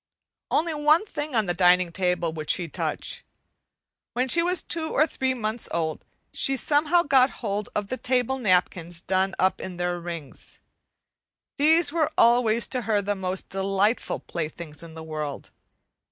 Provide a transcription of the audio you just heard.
Only one thing on the dining table would she touch. When she was two or three months old, she somehow got hold of the table napkins done up in their rings. These were always to her the most delightful playthings in the world.